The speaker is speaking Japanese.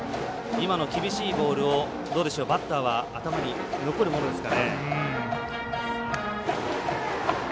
今の厳しいボールをバッターは頭に残るものですか。